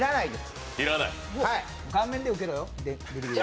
顔面で受けろよ、ビリビリ。